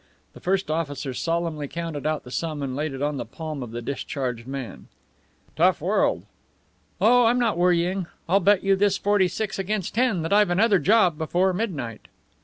The first officer solemnly counted out the sum and laid it on the palm of the discharged man. "Tough world." "Oh, I'm not worrying! I'll bet you this forty six against ten that I've another job before midnight."